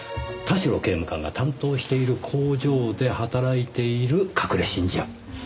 田代刑務官が担当している工場で働いている隠れ信者。